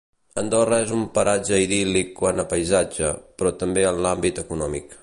Andorra és un paratge idíl·lic quant a paisatge, però també en l’àmbit econòmic.